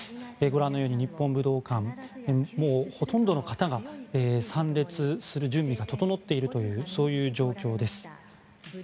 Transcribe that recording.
ご覧のように日本武道館もうほとんどの方が参列する準備が整っているというそういう状況です。